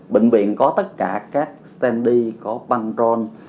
bệnh viện có tất cả các standee có băng drone